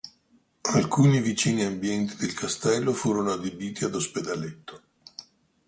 Alcuni vicini ambienti del castello furono adibiti ad ospedaletto.